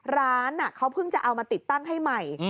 ร้านเขาเพิ่งจะเอามาติดตั้งให้ใหม่